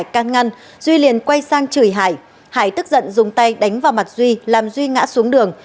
can ngăn duy liền quay sang chửi hải tức giận dùng tay đánh vào mặt duy làm duy ngã xuống đường